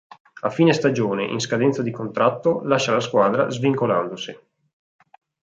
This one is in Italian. A fine stagione, in scadenza di contratto, lascia la squadra svincolandosi.